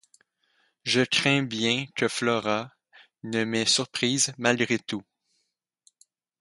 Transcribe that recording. Je crains bien que Flora ne m’ait surprise malgré tout.